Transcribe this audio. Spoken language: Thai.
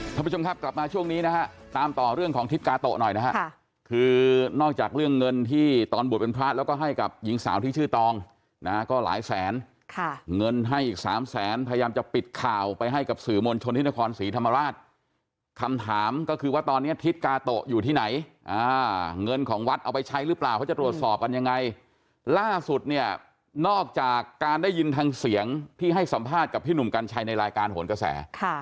ท่านผู้ชมครับกลับมาช่วงนี้นะฮะตามต่อเรื่องของทิศกาโตะหน่อยนะฮะค่ะคือนอกจากเรื่องเงินที่ตอนบวชเป็นพระแล้วก็ให้กับหญิงสาวที่ชื่อตองนะก็หลายแสนค่ะเงินให้อีกสามแสนพยายามจะปิดข่าวไปให้กับสื่อมนต์ชนธินครศรีธรรมราชคำถามก็คือว่าตอนนี้ทิศกาโตะอยู่ที่ไหนอ่าเงินของวัดเอาไปใช้หรื